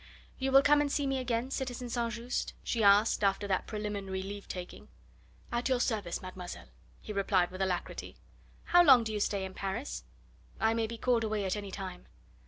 "You will come and see me again, citizen St. Just?" she asked after that preliminary leave taking. "At your service, mademoiselle," he replied with alacrity. "How long do you stay in Paris?" "I may be called away at any time."